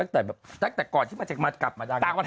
ตั้งแต่ก่อนที่มันกลับมาได้